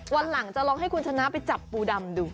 วันหลังจะลองให้คุณชนะไปจับปูดำดู